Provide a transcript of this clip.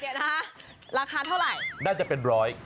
เดี๋ยวนะคะราคาเท่าไหร่น่าจะเป็นร้อย